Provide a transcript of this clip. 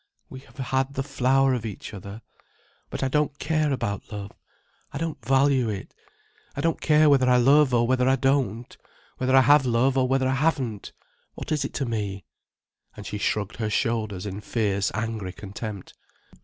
We have had the flower of each other. But I don't care about love. I don't value it. I don't care whether I love or whether I don't, whether I have love or whether I haven't. What is it to me?" And she shrugged her shoulders in fierce, angry contempt.